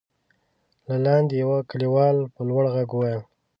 له لاندې يوه کليوال په لوړ غږ وويل: